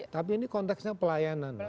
tapi ini konteksnya pelayanan